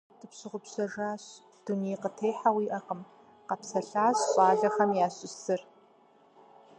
Дыпщыгъупщэжащ, дуней къытехьэ уиӀэкъыми, – къэпсэлъащ щӀалэхэм ящыщ зы.